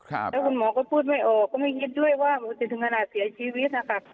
แล้วคุณหมอก็พูดไม่ออกก็ไม่คิดด้วยว่ามันจะถึงขนาดเสียชีวิตนะคะ